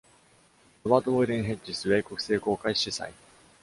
ロバート・ボイデン・ヘッジス米国聖公会司祭。